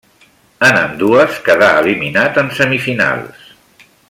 En ambdues quedà eliminat en semifinals.